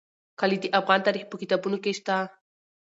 کلي د افغان تاریخ په کتابونو کې شته.